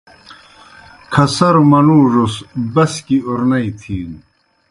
کھسروْ منُوڙوْس بسکیْ اُرنئی تِھینوْ۔